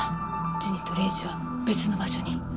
ジュニとレイジは別の場所に。